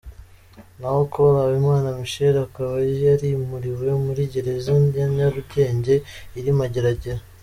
Naho Col Habimana Michel akaba yarimuriwe muri gereza ya Nyarugenge iri Mageragere.